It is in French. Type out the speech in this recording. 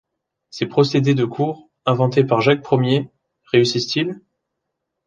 Ces procédés de cour, inventés par Jacques Ier, réussissent-ils?